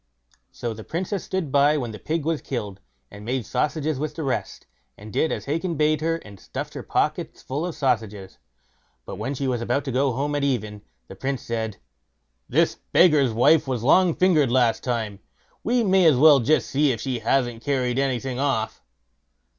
So the Princess stood by when the pig was killed, and made sausages with the rest, and did as Hacon bade her, and stuffed her pockets full of sausages. But when she was about to go home at even, the Prince said: "This beggar's wife was long fingered last time; we may as well just see if she hasn't carried anything off."